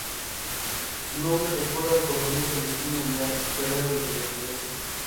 Su nombre recuerda al coronel Celestino Vidal, guerrero de la independencia.